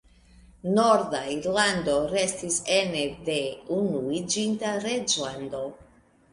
Norda Irlando restis ene de Unuiĝinta Reĝlando.